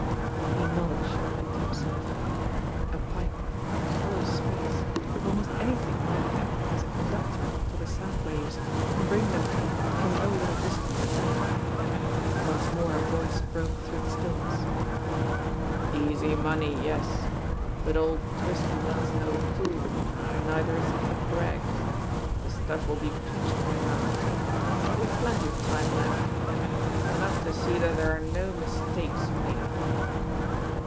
He nodded sharply to himself. A pipe, a hollow space, almost anything might act as a conductor for the sound waves, and bring them here from no little distance at that ! Once more a voice broke through the stillness: "Easy money, yes; but old Twisty Munn's no fool, and neither is Kid Gregg. The stuff will be pinched by now, but we've plenty of time left enough to see that there are no mistakes made."